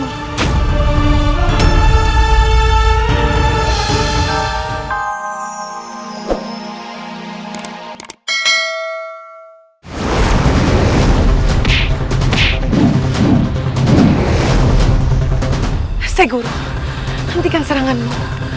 tersegur hentikan seranganmu